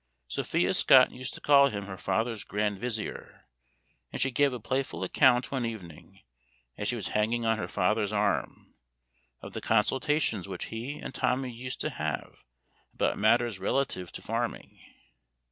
Sophia Scott used to call him her father's grand vizier, and she gave a playful account one evening, as she was hanging on her father's arm, of the consultations which he and Tommie used to have about matters relative to farming.